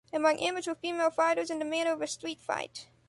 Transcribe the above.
Among amateur female fighters in the manner of a street fight.